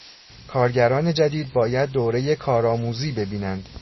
کارگران جدید باید دورهٔ کار آموزی ببینند.